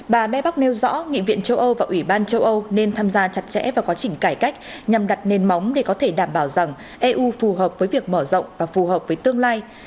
bà bebock nêu rõ nghị viện châu âu và ủy ban châu âu nên tham gia chặt chẽ vào quá trình cải cách nhằm đặt nền móng để có thể đảm bảo rằng eu phù hợp với việc mở rộng và phù hợp với tương lai